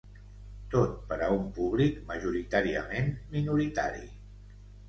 Tot per a un públic majoritàriament minoritari.